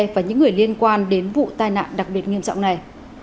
và những người liên quan đến vụ tai nạn đặc biệt nghiêm trọng này